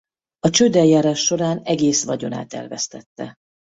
A csődeljárás során egész vagyonát elvesztette.